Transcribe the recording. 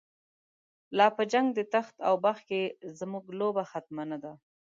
لا په جنگ د تخت او بخت کی، زمونږ لوبه ختمه نده